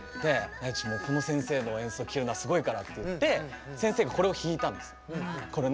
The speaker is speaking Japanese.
この先生の演奏がすごいからって先生が、これを弾いたんです。